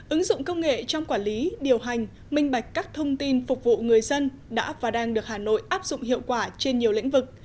ứng dụng công nghệ trong quản lý điều hành minh bạch các thông tin phục vụ người dân đã và đang được hà nội áp dụng hiệu quả trên nhiều lĩnh vực